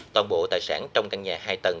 toàn bộ tài sản trong căn nhà hai tầng